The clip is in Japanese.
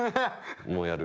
もうやる！